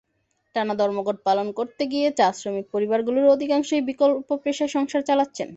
টানা ধর্মঘট পালন করতে গিয়ে চা-শ্রমিক পরিবারগুলোর অধিকাংশই বিকল্প পেশায় সংসার চালাচ্ছেন।